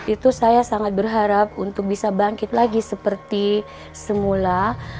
itu saya sangat berharap untuk bisa bangkit lagi seperti semula